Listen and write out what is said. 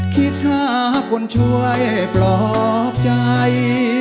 คิดถ้าคุณช่วยปลอบใจ